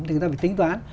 thì người ta phải tính toán